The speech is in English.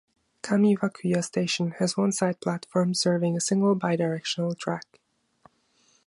Kami-Wakuya Station has one side platform serving a single bi-directional track.